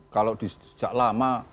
kalau sejak lama